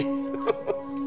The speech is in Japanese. フフフ。